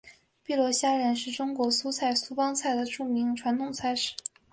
碧螺虾仁是中国苏州苏帮菜的著名传统菜式。